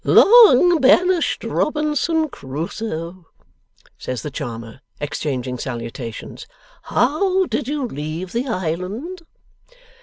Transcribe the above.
'Long banished Robinson Crusoe,' says the charmer, exchanging salutations, 'how did you leave the Island?